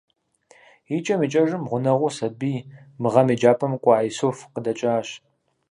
Икӏэм икӏэжым, гъунэгъу сабий - мы гъэм еджапIэм кӏуа Исуф - къыдэкӏащ.